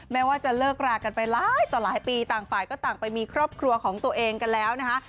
แม้ว่าจะเลิกรากันไปหลายต่อหลายปีต่างฝ่ายก็ต่างไปมีครอบครัวของตัวเองกันแล้วนะคะ